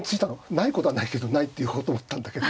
ないことはないけどないって言おうと思ったんだけど。